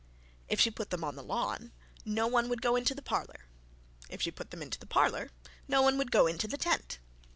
If she put them on the lawn, no one would go into the parlour; if she put them into the parlour, no one would go into the tent.